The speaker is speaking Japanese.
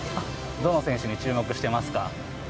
どの選手に注目していますか。